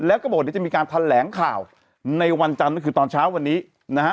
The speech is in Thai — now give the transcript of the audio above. แล้วก็บอกเดี๋ยวจะมีการแถลงข่าวในวันจันทร์ก็คือตอนเช้าวันนี้นะฮะ